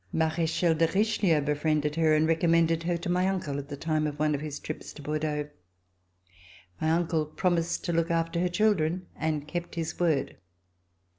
Marechal de Richelieu befriended her and recom mended her to my uncle at the time of one of his trips to Bordeaux. My uncle promised to look after her children and kept his word.